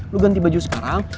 lu ganti baju sekarang